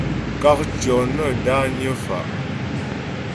Kákcyɔ́ nə́ dányə́ fá'.